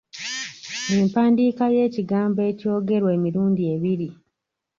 Empandiika y’ekigambo ekyogerwa emirundi ebiri.